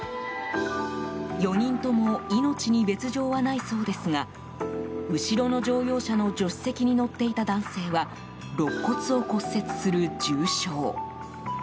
４人とも命に別条はないそうですが後ろの乗用車の助手席に乗っていた男性は肋骨を骨折する重傷。